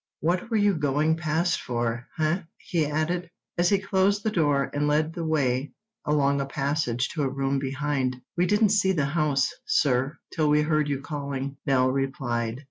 "What were you going past for, eh?" he added, as he closed the door and led the way along a passage to a room behind. "We didn't see the house, sir, till we heard you calling," Nell replied.